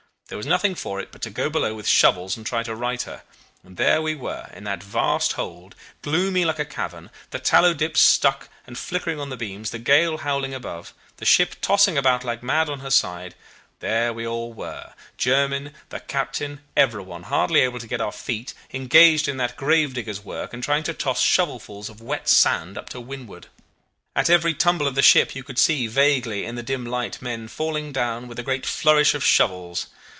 There was nothing for it but go below with shovels and try to right her, and there we were in that vast hold, gloomy like a cavern, the tallow dips stuck and flickering on the beams, the gale howling above, the ship tossing about like mad on her side; there we all were, Jermyn, the captain, everyone, hardly able to keep our feet, engaged on that gravedigger's work, and trying to toss shovelfuls of wet sand up to windward. At every tumble of the ship you could see vaguely in the dim light men falling down with a great flourish of shovels.